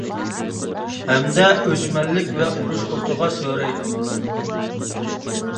ھەمدە ئۆچمەنلىك ۋە ئۇرۇش ئوتىغا سۆرەيدۇ.